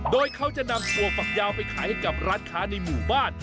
โดยเขาจะนำถั่วฝักยาวไปขายให้กับร้านค้าในหมู่บ้าน